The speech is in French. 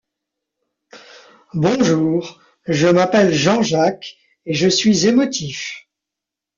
Bonjour, je m’appelle Jean-Jacques, et je suis émotif.